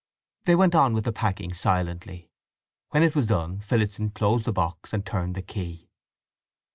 They went on with the packing silently. When it was done Phillotson closed the box and turned the key.